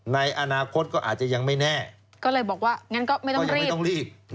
ในอนาคตก็อาจจะยังไม่แน่ก็เลยบอกว่างั้นก็ไม่ต้องรีบต้องรีบ